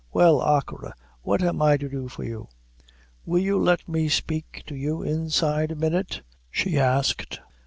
Well, achora, what am I to do for you?" "Will you let me speak to you inside a minute?" she asked.